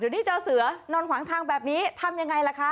เดี๋ยวนี้เจอเสือนอนขวางทางแบบนี้ทำยังไงล่ะคะ